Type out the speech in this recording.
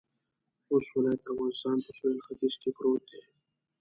خوست ولایت د افغانستان په سویل ختيځ کې پروت دی.